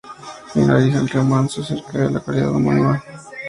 Finaliza en el río Manso, cerca de la localidad homónima.